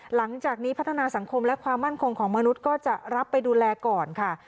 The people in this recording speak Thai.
หลังจากนี้พัฒนาสังคมและความมั่นคงของมนุษย์ก็จะรับไปดูแลก่อนค่ะ